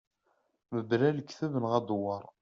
Mebla lekteb neɣ adewwer.